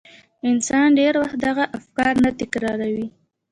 انسان ډېر وخت دغه افکار نه تکراروي.